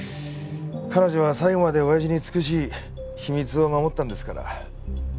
彼女は最後まで親父に尽くし秘密を守ったんですから。